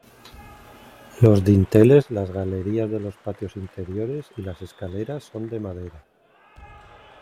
Los dinteles, las galerías de los patios interiores y las escaleras son de madera.